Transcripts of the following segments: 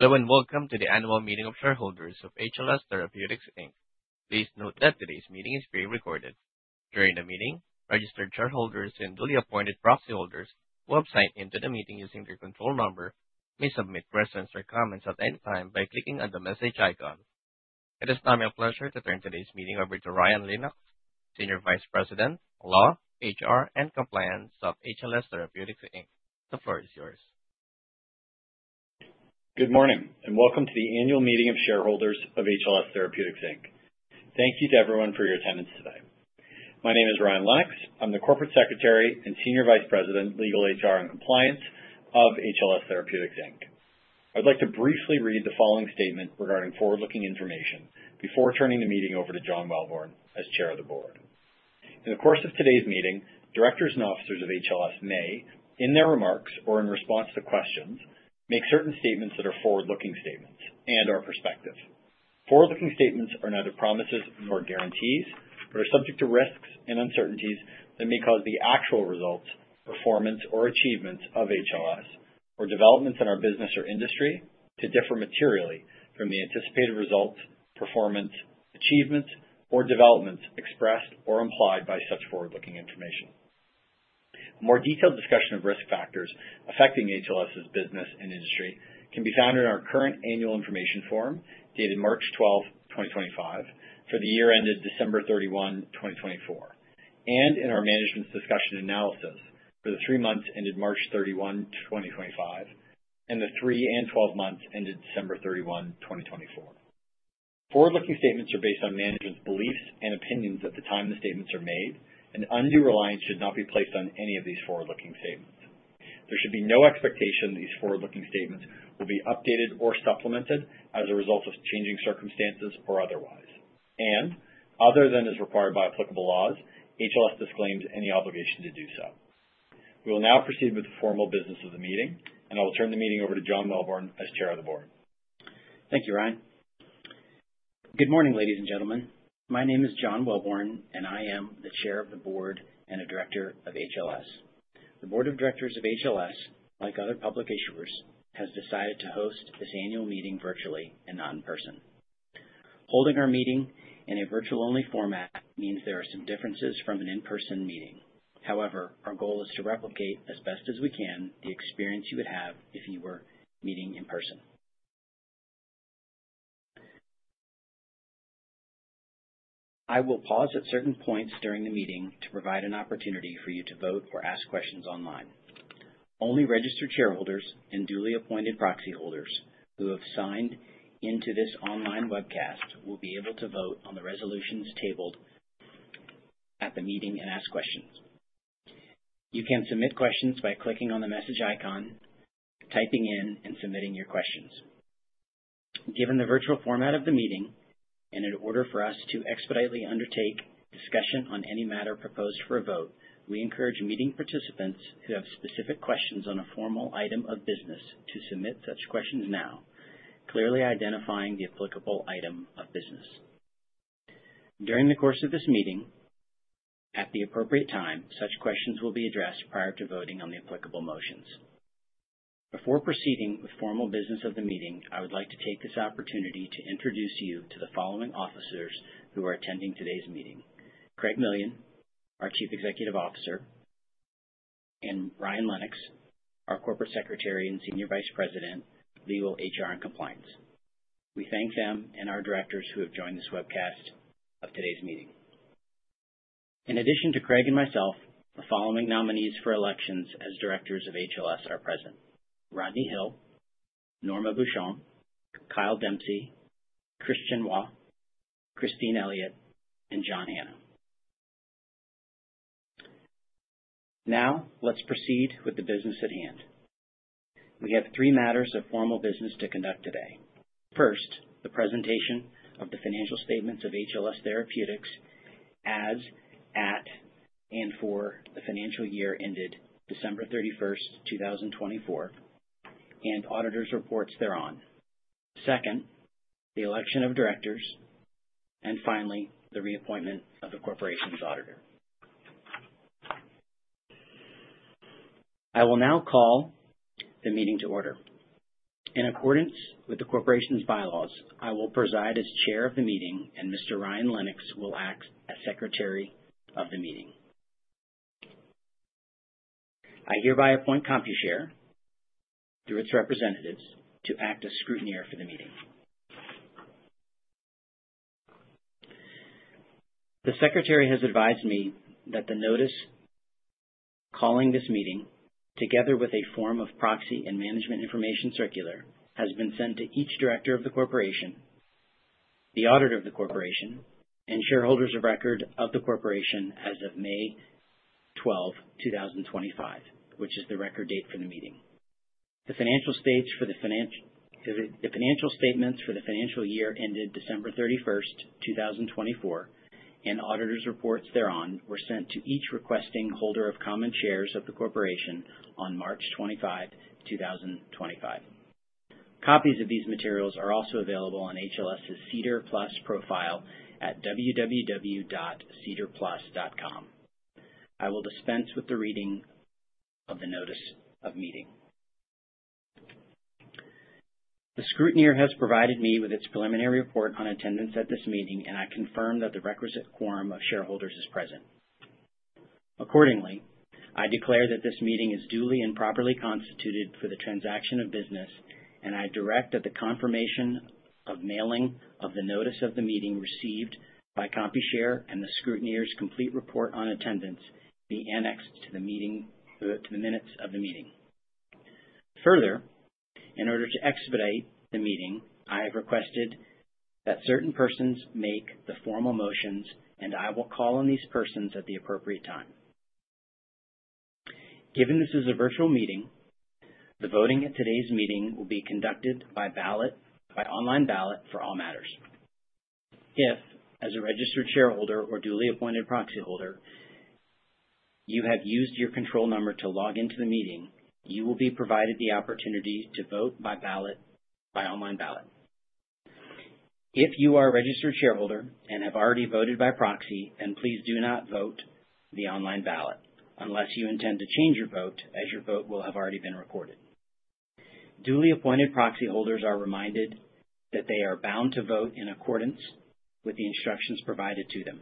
Hello and welcome to the annual meeting of shareholders of HLS Therapeutics Inc. Please note that today's meeting is being recorded. During the meeting, registered shareholders and duly appointed proxy holders who have signed into the meeting using their control number may submit questions or comments at any time by clicking on the message icon. It is now my pleasure to turn today's meeting over to Ryan Lennox, Senior Vice-President, Legal, HR and Compliance of HLS Therapeutics Inc. The floor is yours. Good morning, and welcome to the annual meeting of shareholders of HLS Therapeutics Inc. Thank you to everyone for your attendance today. My name is Ryan Lennox. I'm the Corporate Secretary and Senior Vice President, Legal, HR, and Compliance of HLS Therapeutics Inc. I'd like to briefly read the following statement regarding forward-looking information before turning the meeting over to John Welborn as Chair of the Board. In the course of today's meeting, directors and officers of HLS may, in their remarks or in response to questions, make certain statements that are forward-looking statements and are prospective. Forward-looking statements are neither promises nor guarantees, but are subject to risks and uncertainties that may cause the actual results, performance, or achievements of HLS, or developments in our business or industry, to differ materially from the anticipated results, performance, achievements, or developments expressed or implied by such forward-looking information. A more detailed discussion of risk factors affecting HLS's business and industry can be found in our current annual information form dated March 12, 2025, for the year ended December 31, 2024, and in our management's discussion and analysis for the three months ended March 31, 2025, and the three and twelve months ended December 31, 2024. Forward-looking statements are based on management's beliefs and opinions at the time the statements are made, and undue reliance should not be placed on any of these forward-looking statements. There should be no expectation that these forward-looking statements will be updated or supplemented as a result of changing circumstances or otherwise. Other than as required by applicable laws, HLS disclaims any obligation to do so. We will now proceed with the formal business of the meeting, and I will turn the meeting over to John Welborn as Chair of the Board. Thank you, Ryan. Good morning, ladies and gentlemen. My name is John Welborn, and I am the Chair of the Board and a Director of HLS. The Board of Directors of HLS, like other public issuers, has decided to host this annual meeting virtually and not in person. Holding our meeting in a virtual-only format means there are some differences from an in-person meeting. However, our goal is to replicate as best as we can the experience you would have if you were meeting in person. I will pause at certain points during the meeting to provide an opportunity for you to vote or ask questions online. Only registered shareholders and duly appointed proxy holders who have signed into this online webcast will be able to vote on the resolutions tabled at the meeting and ask questions. You can submit questions by clicking on the message icon, typing in and submitting your questions. Given the virtual format of the meeting, and in order for us to expeditely undertake discussion on any matter proposed for a vote, we encourage meeting participants who have specific questions on a formal item of business to submit such questions now, clearly identifying the applicable item of business. During the course of this meeting, at the appropriate time, such questions will be addressed prior to voting on the applicable motions. Before proceeding with formal business of the meeting, I would like to take this opportunity to introduce you to the following officers who are attending today's meeting. Craig Millian, our Chief Executive Officer, and Ryan Lennox, our Corporate Secretary and Senior Vice-President, Legal, HR, and Compliance. We thank them and our directors who have joined this webcast of today's meeting. In addition to Craig Millian and myself, the following nominees for elections as directors of HLS are present. Rodney Hill, Norma Beauchamp, Kyle Dempsey, Christian Roy, Christine Elliott, and John Hanna. Now, let's proceed with the business at hand. We have three matters of formal business to conduct today. First, the presentation of the financial statements of HLS Therapeutics as at and for the financial year ended December 31, 2024, and auditors' reports thereon. Second, the election of directors. Finally, the reappointment of the corporation's Auditor. I will now call the meeting to order. In accordance with the corporation's bylaws, I will preside as Chair of the meeting, and Mr. Ryan Lennox will act as Secretary of the meeting. I hereby appoint Computershare, through its representatives, to act as scrutineer for the meeting. The Secretary has advised me that the notice calling this meeting, together with a form of proxy and management information circular, has been sent to each director of the corporation, the auditor of the corporation, and shareholders of record of the corporation as of May 12, 2025, which is the record date for the meeting. The financial statements for the financial year ended December 31, 2024, and auditors' reports thereon were sent to each requesting holder of common shares of the corporation on March 25, 2025. Copies of these materials are also available on HLS's SEDAR+ profile at www.sedarplus.com. I will dispense with the reading of the notice of meeting. The scrutineer has provided me with its preliminary report on attendance at this meeting, and I confirm that the requisite quorum of shareholders is present. Accordingly, I declare that this meeting is duly and properly constituted for the transaction of business, and I direct that the confirmation of mailing of the notice of the meeting received by Computershare and the scrutineer's complete report on attendance be annexed to the minutes of the meeting. Further, in order to expedite the meeting, I have requested that certain persons make the formal motions, and I will call on these persons at the appropriate time. Given this is a virtual meeting, the voting at today's meeting will be conducted by online ballot for all matters. If, as a registered shareholder or duly appointed proxy holder, you have used your control number to log into the meeting, you will be provided the opportunity to vote by online ballot. If you are a registered shareholder and have already voted by proxy, then please do not vote the online ballot unless you intend to change your vote, as your vote will have already been recorded. Duly appointed proxy holders are reminded that they are bound to vote in accordance with the instructions provided to them.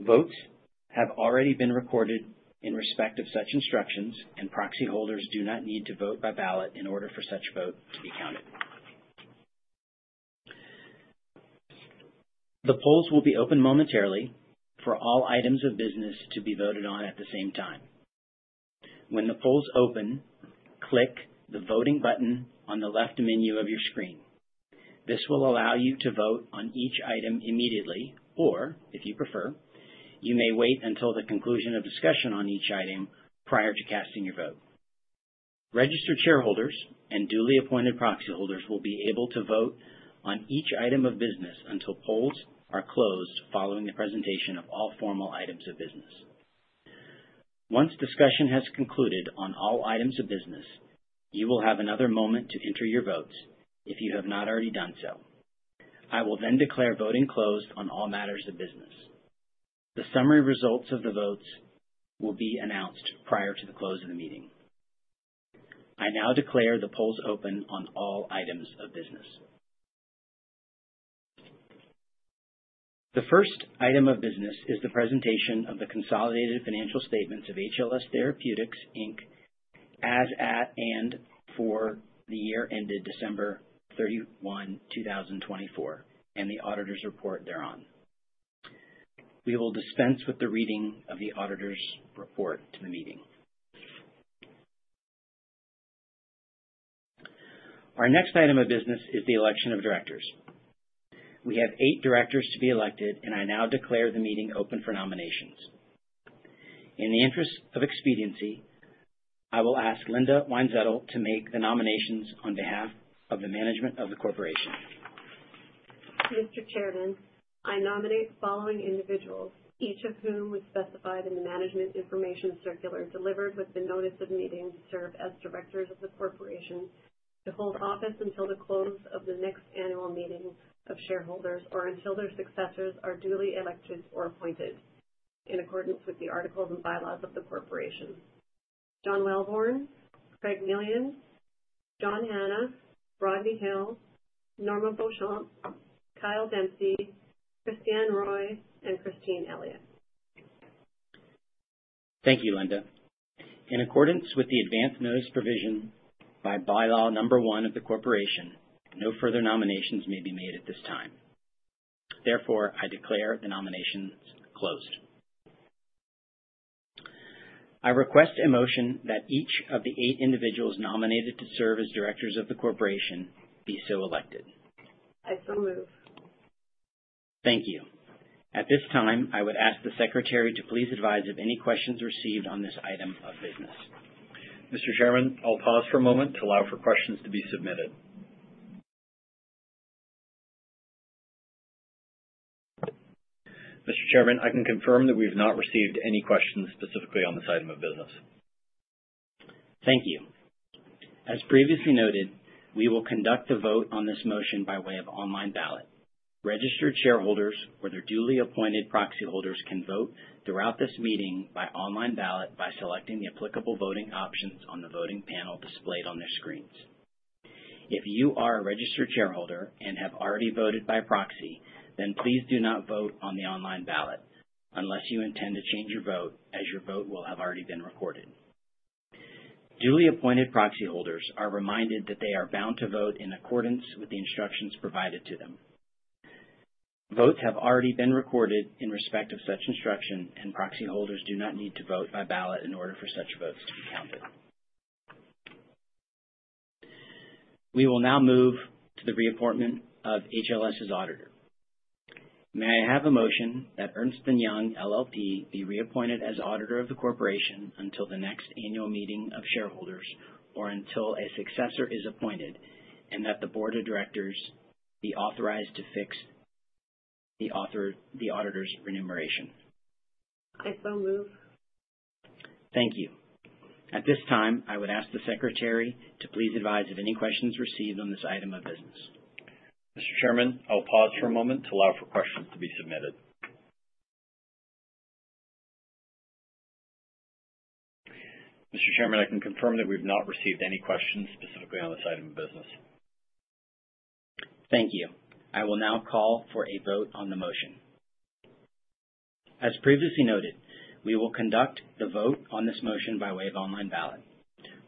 Votes have already been recorded in respect of such instructions, and proxy holders do not need to vote by ballot in order for such vote to be counted. The polls will be open momentarily for all items of business to be voted on at the same time. When the polls open, click the Voting button on the left menu of your screen. This will allow you to vote on each item immediately or, if you prefer, you may wait until the conclusion of discussion on each item prior to casting your vote. Registered shareholders and duly appointed proxy holders will be able to vote on each item of business until polls are closed following the presentation of all formal items of business. Once discussion has concluded on all items of business, you will have another moment to enter your votes if you have not already done so. I will then declare voting closed on all matters of business. The summary results of the votes will be announced prior to the close of the meeting. I now declare the polls open on all items of business. The first item of business is the presentation of the consolidated financial statements of HLS Therapeutics Inc. as at and for the year ended December 31, 2024, and the auditor's report thereon. We will dispense with the reading of the auditor's report to the meeting. Our next item of business is the election of directors. We have eight directors to be elected, and I now declare the meeting open for nominations. In the interest of expediency, I will ask Linda Weinzettl to make the nominations on behalf of the management of the corporation. Mr. Chairman, I nominate the following individuals, each of whom was specified in the management information circular delivered with the notice of meeting to serve as directors of the corporation to hold office until the close of the next annual meeting of shareholders or until their successors are duly elected or appointed in accordance with the articles and bylaws of the corporation. John Welborn, Craig Millian, John Hanna, Rodney Hill, Norma Beauchamp, Kyle Dempsey, Christian Roy, and Christine Elliott. Thank you, Linda. In accordance with the advance notice provision by bylaw number 1 of the corporation, no further nominations may be made at this time. Therefore, I declare the nominations closed. I request a motion that each of the 8 individuals nominated to serve as directors of the corporation be so elected. I so move. Thank you. At this time, I would ask the secretary to please advise of any questions received on this item of business. Mr. Chairman, I'll pause for a moment to allow for questions to be submitted. Mr. Chairman, I can confirm that we've not received any questions specifically on this item of business. Thank you. As previously noted, we will conduct a vote on this motion by way of online ballot. Registered shareholders or their duly appointed proxy holders can vote throughout this meeting by online ballot by selecting the applicable voting options on the voting panel displayed on their screens. If you are a registered shareholder and have already voted by proxy, then please do not vote on the online ballot unless you intend to change your vote, as your vote will have already been recorded. Duly appointed proxy holders are reminded that they are bound to vote in accordance with the instructions provided to them. Votes have already been recorded in respect of such instruction, and proxy holders do not need to vote by ballot in order for such votes to be counted. We will now move to the reappointment of HLS's Auditor. May I have a motion that Ernst & Young LLP be reappointed as auditor of the corporation until the next annual meeting of shareholders, or until a successor is appointed, and that the board of directors be authorized to fix the Auditor's remuneration. I move. Thank you. At this time, I would ask the secretary to please advise of any questions received on this item of business. Mr. Chairman, I will pause for a moment to allow for questions to be submitted. Mr. Chairman, I can confirm that we've not received any questions specifically on this item of business. Thank you. I will now call for a vote on the motion. As previously noted, we will conduct the vote on this motion by way of online ballot.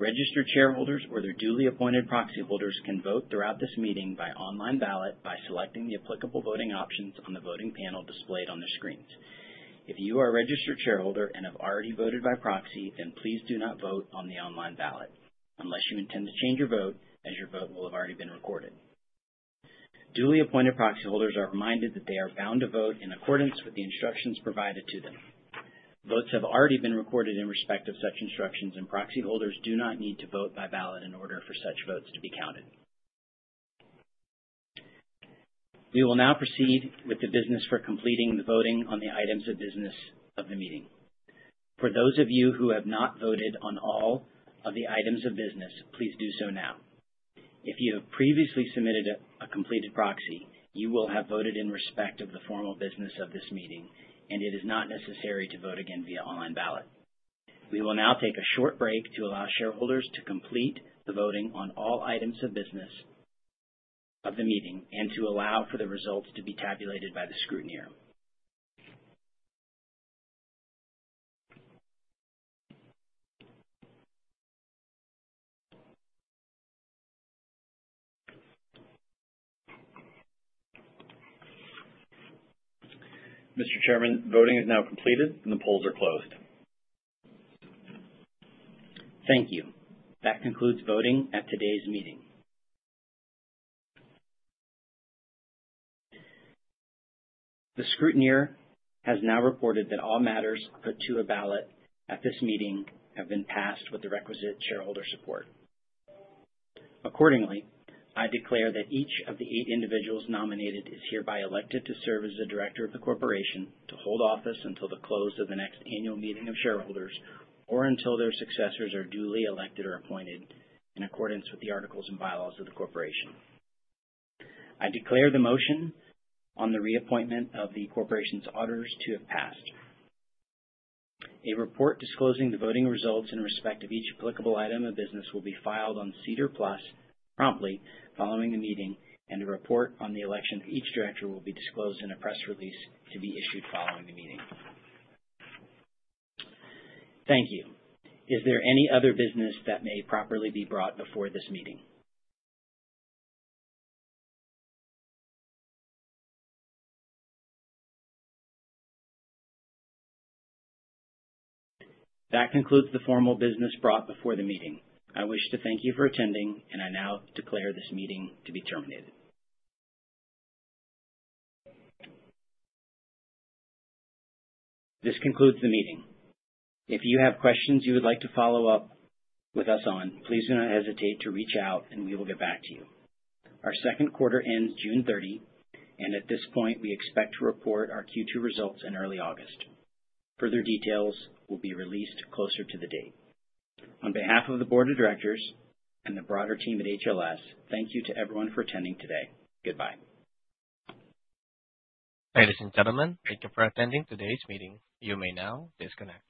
Registered shareholders or their duly appointed proxy holders can vote throughout this meeting by online ballot by selecting the applicable voting options on the voting panel displayed on their screens. If you are a registered shareholder and have already voted by proxy, then please do not vote on the online ballot unless you intend to change your vote, as your vote will have already been recorded. Duly appointed proxy holders are reminded that they are bound to vote in accordance with the instructions provided to them. Votes have already been recorded in respect of such instructions, and proxy holders do not need to vote by ballot in order for such votes to be counted. We will now proceed with the business for completing the voting on the items of business of the meeting. For those of you who have not voted on all of the items of business, please do so now. If you have previously submitted a completed proxy, you will have voted in respect of the formal business of this meeting, and it is not necessary to vote again via online ballot. We will now take a short break to allow shareholders to complete the voting on all items of business of the meeting and to allow for the results to be tabulated by the scrutineer. Mr. Chairman, voting is now completed, and the polls are closed. Thank you. That concludes voting at today's meeting. The scrutineer has now reported that all matters put to a ballot at this meeting have been passed with the requisite shareholder support. Accordingly, I declare that each of the eight individuals nominated is hereby elected to serve as a director of the corporation, to hold office until the close of the next annual meeting of shareholders, or until their successors are duly elected or appointed in accordance with the articles and bylaws of the corporation. I declare the motion on the reappointment of the corporation's auditors to have passed. A report disclosing the voting results in respect of each applicable item of business will be filed on SEDAR+ promptly following the meeting, and a report on the election of each director will be disclosed in a press release to be issued following the meeting. Thank you. Is there any other business that may properly be brought before this meeting? That concludes the formal business brought before the meeting. I wish to thank you for attending, and I now declare this meeting to be terminated. This concludes the meeting. If you have questions you would like to follow up with us on, please do not hesitate to reach out, and we will get back to you. Our second quarter ends June 30, and at this point, we expect to report our Q2 results in early August. Further details will be released closer to the date. On behalf of the board of directors and the broader team at HLS, thank you to everyone for attending today. Goodbye. Ladies and gentlemen, thank you for attending today's meeting, you may now disconnect.